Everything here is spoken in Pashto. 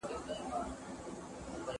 ایا ماشومانو نن مېوه خوړلې ده؟